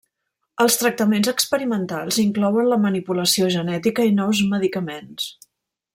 Els tractaments experimentals inclouen la manipulació genètica i nous medicaments.